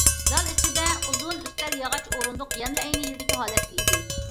زال ئىچىدە ئۇزۇن ئۈستەل، ياغاچ ئورۇندۇق يەنىلا ئەينى يىلىدىكى ھالەتتە ئىدى.